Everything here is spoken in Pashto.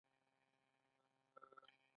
دې کار پانګوال ته ډېرې زیاتې ګټې ور په برخه کولې